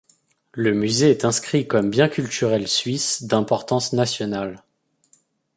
Le musée est inscrit comme bien culturel suisse d'importance nationale.